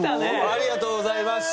ありがとうございます。